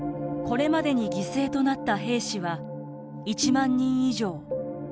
これまでに犠牲となった兵士は１万人以上。